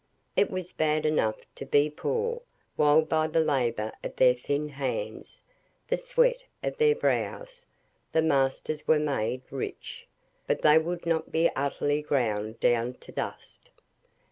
It was bad enough to be poor, while by the labour of their thin hands, the sweat of their brows, the masters were made rich; but they would not be utterly ground down to dust.